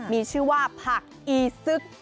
มีชื่อว่าผักอีซึก